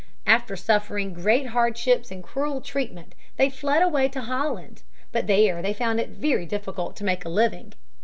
After suffering great hardships and cruel treatment they fled away to Holland. But there they found it very difficult to make a living.